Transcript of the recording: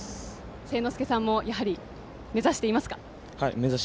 せいのすけさんもやはり目指していますか？